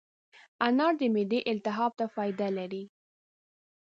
انار د معدې التهاب ته فایده لري.